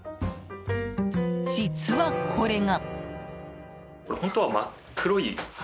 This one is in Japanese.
実は、これが。